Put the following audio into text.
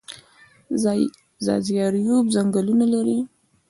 ځاځي اریوب ځنګلونه لري؟